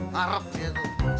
karuk dia tuh